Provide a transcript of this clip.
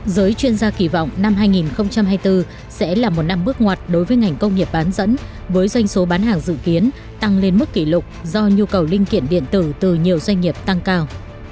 giới chuyên gia kỳ vọng năm hai nghìn hai mươi bốn sẽ là một năm bước ngoặt đối với ngành công nghiệp bán dẫn với doanh số bán hàng dự kiến tăng lên mức kỷ lục do nhu cầu linh kiện điện tử từ nhiều doanh nghiệp tăng cao